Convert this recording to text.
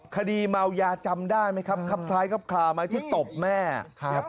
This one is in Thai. คดีเมายาจำได้ไหมครับครับคล้ายครับคลาไหมที่ตบแม่ครับ